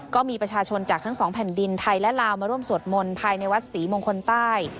ก็มีประชาชนจากทั้งสองแผ่นดินไทยและลาวมาร่วมสวดมนต์ภายในวัดศรีมงคลใต้